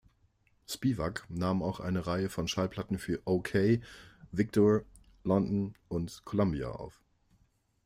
Spivak nahm auch eine Reihe von Schallplatten für Okeh, Victor, London und Columbia auf.